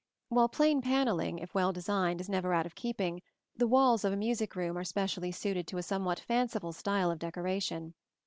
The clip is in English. While plain panelling, if well designed, is never out of keeping, the walls of a music room are specially suited to a somewhat fanciful style of decoration.